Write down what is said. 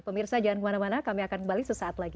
pemirsa jangan kemana mana kami akan kembali sesaat lagi